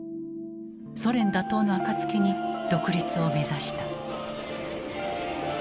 ソ連打倒のあかつきに独立を目指した。